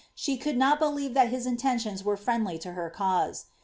she could not be t his intentions were friendly to her cause.